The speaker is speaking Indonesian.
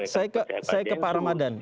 saya ke pak ramadhan